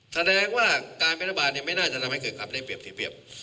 แสดงว่าการเป็นนาบาลไม่น่าจะทำให้เกิดความได้เปรียบ